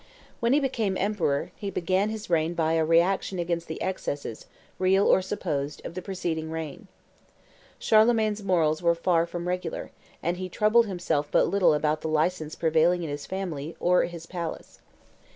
When he became emperor, he began his reign by a reaction against the excesses, real or supposed, of the preceding reign. Charlemagne's morals were far from regular, and he troubled himself but little about the license prevailing in his family or his palace.